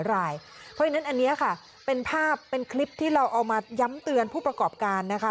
เพราะฉะนั้นอันนี้ค่ะเป็นภาพเป็นคลิปที่เราเอามาย้ำเตือนผู้ประกอบการนะคะ